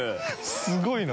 すごいな。